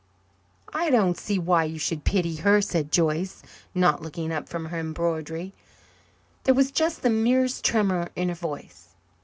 "I don't see why you should pity her," said Joyce, not looking up from her embroidery. There was just the merest tremor in her voice.